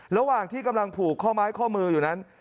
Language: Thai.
ระหว่างที่กำลังผูกข้อไม้ข้อมืออยู่นั้น